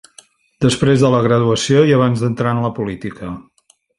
Després de la graduació i abans d'entrar en la política.